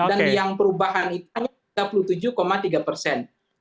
apaing yang saya katakan tadi bahwa masyarakat atau pecendung pemilih kita ini juga masih menginginkan